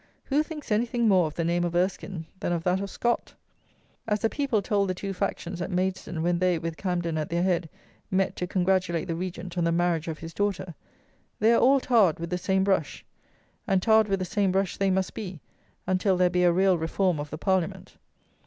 Who thinks anything more of the name of Erskine than of that of Scott? As the people told the two factions at Maidstone when they, with Camden at their head, met to congratulate the Regent on the marriage of his daughter, "they are all tarred with the same brush;" and tarred with the same brush they must be, until there be a real reform of the Parliament.